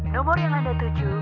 nomor yang anda tuju